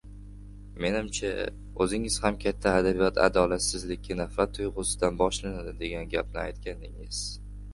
Menimcha, oʻzingiz ham katta adabiyot adolatsizlikka nafrat tuygʻusidan boshlanadi degan gapni aytgandingiz.